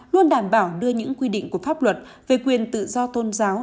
luôn đảm bảo đưa những quy định của pháp luật về quyền tự do tôn giáo